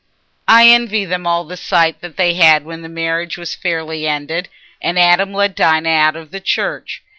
I envy them all the sight they had when the marriage was fairly ended and Adam led Dinah out of church.